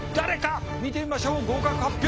見てみましょう合格発表。